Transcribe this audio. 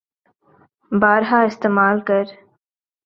بارہا استعمال کر